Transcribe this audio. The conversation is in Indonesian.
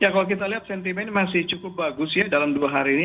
ya kalau kita lihat sentimen masih cukup bagus ya dalam dua hari ini